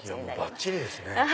ばっちりですね！